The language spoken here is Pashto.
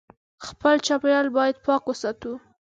خپل چاپېریال باید پاک وساتو